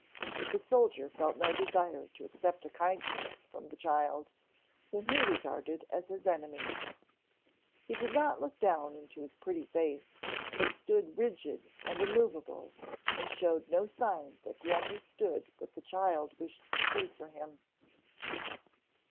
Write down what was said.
But the soldier felt no desire to accept a kindness from the child, whom he regarded as his enemy. He did not look down into his pretty face, but stood rigid and immovable, and showed no sign that he understood what the child wished to do for him.